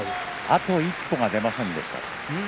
あと一歩が出ませんでした。